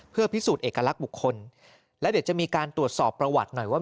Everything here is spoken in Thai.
เพื่อพิสูจน์เอกลักษณ์บุคคลแล้วเดี๋ยวจะมีการตรวจสอบประวัติหน่อยว่า